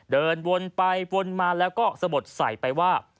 เดินวนไปวนมาแล้วก็สะบดใส่ไปว่า